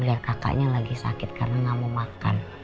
lihat kakaknya lagi sakit karena nggak mau makan